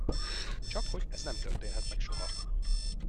Csakhogy ez nem történhet meg soha.